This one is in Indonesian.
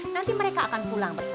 nanti mereka akan pulang bersama